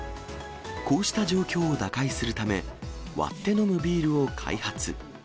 こうした状況を打開するため、割って飲むビールを開発。